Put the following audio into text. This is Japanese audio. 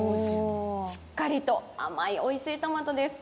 しっかりと甘い、おいしいトマトです。